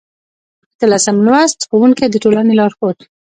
اتلسم لوست: ښوونکی د ټولنې لارښود